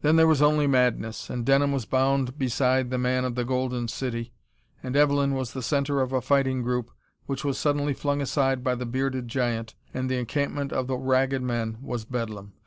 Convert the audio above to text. Then there was only madness, and Denham was bound beside the man of the Golden City, and Evelyn was the center of a fighting group which was suddenly flung aside by the bearded giant, and the encampment of the Ragged Men was bedlam.